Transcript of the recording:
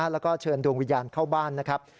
แล้วก็เชิญดวงวิญญาณเข้าบ้านนะครับ